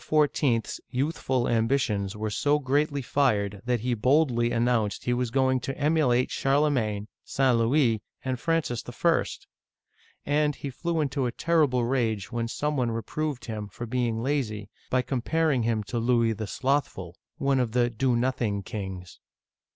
*s youthful ambitions were so greatly fired that he boldly announced he was going to emulate Charlemagne, St. Louis, and Francis I. ! And he flew into a terrible rage when some one reproved him for being lazy, by comparing him to Louis the Slothful, one of the " do nothing kings."